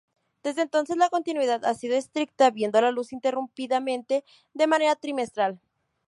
Desde entonces la continuidad ha sido estricta, viendo la luz ininterrumpidamente de manera trimestral.